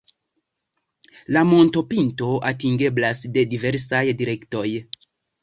La montopinto atingeblas de diversaj direktoj.